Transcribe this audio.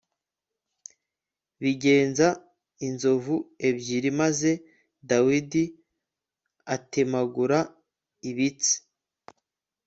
bigenza inzovu ebyiri maze dawidi atemagura ibitsi